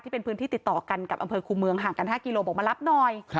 เป็นพื้นที่ติดต่อกันกับอำเภอคูเมืองห่างกัน๕กิโลบอกมารับหน่อย